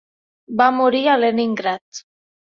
Va morir a Leningrad.